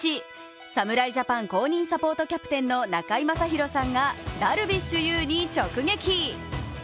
侍ジャパン公認サポートキャプテンの中居正広さんがダルビッシュ有に直撃！